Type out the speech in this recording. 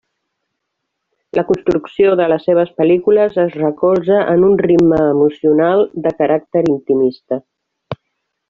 La construcció de les seves pel·lícules es recolza en un ritme emocional, de caràcter intimista.